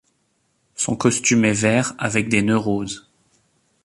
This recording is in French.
Son costume est vert avec des nœuds roses.